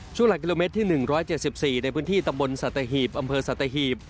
หลักกิโลเมตรที่๑๗๔ในพื้นที่ตำบลสัตหีบอำเภอสัตหีบ